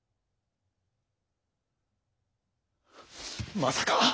まさか。